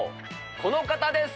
この方です。